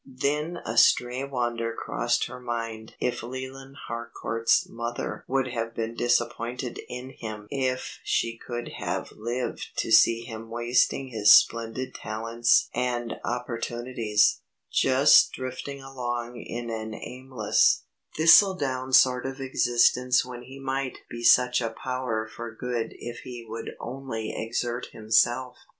Then a stray wonder crossed her mind if Leland Harcourt's mother would have been disappointed in him if she could have lived to see him wasting his splendid talents and opportunities; just drifting along in an aimless, thistledown sort of existence when he might be such a power for good if he would only exert himself.